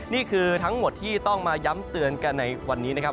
นี่คือทั้งหมดที่ต้องมาย้ำเตือนกันในวันนี้นะครับ